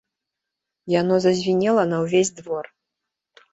Яно зазвінела на ўвесь двор.